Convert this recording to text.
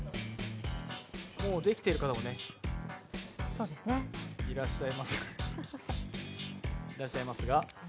もうできてる方もねいらっしゃいますが。